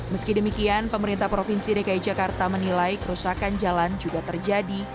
meski demikian pemerintah provinsi dki jakarta menilai kerusakan jalan juga terjadi